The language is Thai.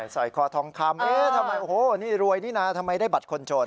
ใส่ขวาทองคำทำไมโอ้โฮนี่รวยนี่นะทำไมได้บัตรคนชน